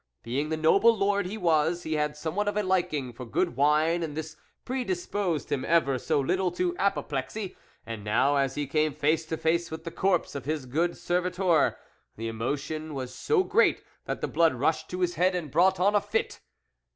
Being the noble lord he was, he had somewhat of a liking for good wine ; and this predisposed him ever so little to apoplexy, and now, as he came face to face with the corpse of his good servitor, the emotion was so great, that the blood rushed to his head and brought on a fit.